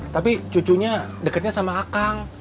tapi cucunya dekatnya sama akang